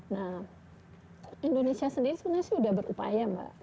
nah indonesia sendiri sebenarnya sudah berupaya mbak